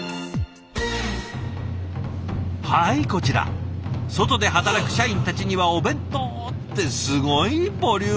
はいこちら外で働く社員たちにはお弁当ってすごいボリューム。